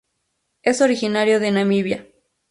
Es originario de Namibia.